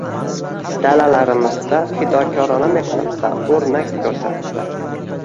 Dalalarimizda fidokorona mehnatda o‘rnak ko‘rsatdi.